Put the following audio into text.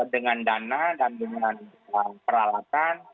dengan dana dan dengan peralatan